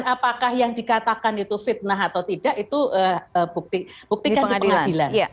dan apakah yang dikatakan itu fitnah atau tidak itu buktikan di pengadilan